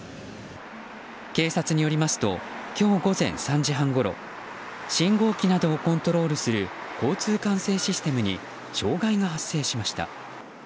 警察によりますと今日午前３時半ごろ信号機などをコントロールする交通管制システムに障害が発生しました。